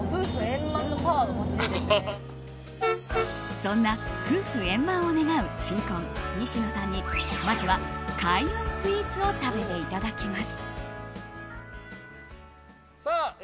そんな夫婦円満を願う新婚・西野さんにまずは開運スイーツを食べていただきます。